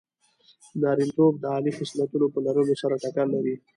نارینتوب د عالي خصلتونو په لرلو سره ټکر لري.